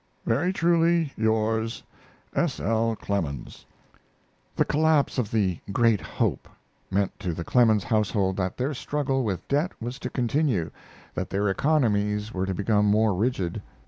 Very truly yours, S. L. CLEMENS. The collapse of the "great hope" meant to the Clemens household that their struggle with debt was to continue, that their economies were to become more rigid.